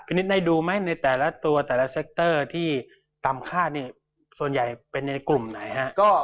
นิดได้ดูไหมในแต่ละตัวแต่ละเซ็กเตอร์ที่ต่ำคาดนี่ส่วนใหญ่เป็นในกลุ่มไหนฮะ